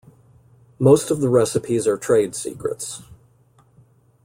Most of the recipes are trade secrets.